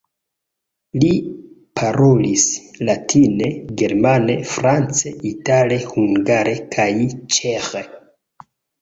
Li parolis latine, germane, france, itale, hungare kaj ĉeĥe.